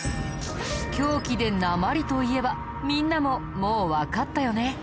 凶器で鉛といえばみんなももうわかったよね？